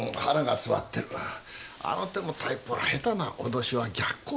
あの手のタイプは下手な脅しは逆効果かも。